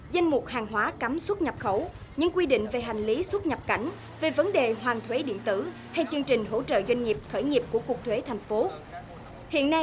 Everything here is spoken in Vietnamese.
danh mục hàng hóa cấm xuất nhập khẩu những quy định về hành lý xuất nhập cảnh về vấn đề hoàn thuế điện tử hay chương trình hỗ trợ doanh nghiệp khởi nghiệp của cục thuế thành phố